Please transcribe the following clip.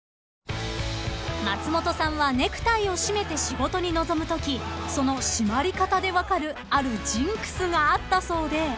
［松本さんはネクタイを締めて仕事に臨むときその締まり方で分かるあるジンクスがあったそうで］